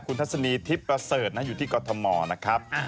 คุณทัศนีทิพย์ประเสริฐอยู่ที่กรทมนะครับ